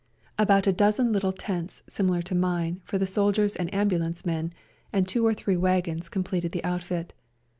About a dozen little tents, similar to mine, for the soldiers and ambulance men, and two or three wagons completed the outfit.